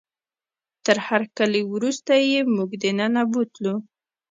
تر هرکلي وروسته یې موږ دننه بوتلو.